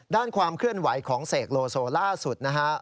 ด้านความเคลื่อนไหวของเสกโลโซล่าสุดนะฮะ